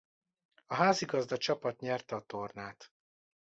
A házigazda csapat nyerte a tornát.